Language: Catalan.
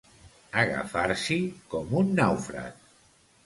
Agafar-s'hi com un nàufrag.